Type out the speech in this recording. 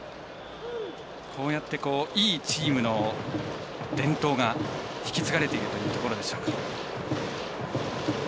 こうやって、いいチームの伝統が引き継がれているというところでしょうか。